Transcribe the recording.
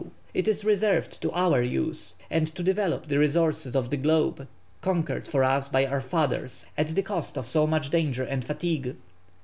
it is reserved to our use, and to develope the resources of the globe, conquered for us by our fathers at the cost of so much danger and fatigue.